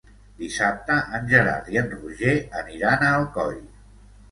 Dissabte en Gerard i en Roger aniran a Alcoi.